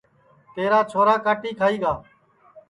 تیرا چھورا کاٹی کھائی گا